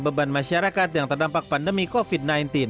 beban masyarakat yang terdampak pandemi covid sembilan belas